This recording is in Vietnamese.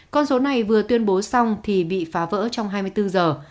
con số này vừa tuyên bố xong thì bị phá vỡ trong hai mươi bốn giờ